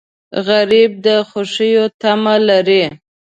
غریب د خوښیو تمه لري